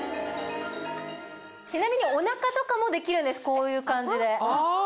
ちなみにお腹とかもできるんですこういう感じで。